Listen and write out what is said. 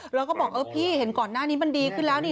แล้วก็บอกเออพี่เห็นก่อนหน้านี้มันดีขึ้นแล้วนี่